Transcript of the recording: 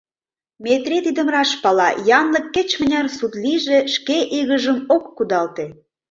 Метрий тидым раш пала: янлык кеч-мыняр сут лийже, шке игыжым ок кудалте.